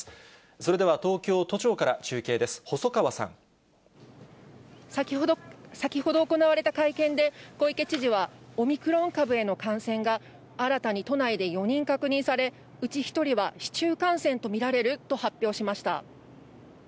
それでは東京都庁から中継です、先ほど行われた会見で、小池知事は、オミクロン株への感染が、新たに都内で４人確認され、うち１人は市中感染と見られると発表しました。